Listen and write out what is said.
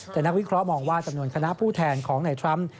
แต่นักวิเคราะห์มองว่าจำนวนคณะผู้แทนของในทรัมป์